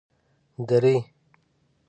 درې